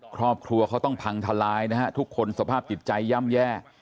ครอบครัวเขาต้องพังทลายนะฮะทุกคนสภาพจิตใจย่ำแย่